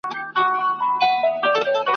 چا د مشر چا د کشر دا منلي ..